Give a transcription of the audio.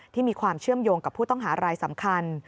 ที่มีความเชื่อมโยงกับผู้ต้องหารายสำคัญ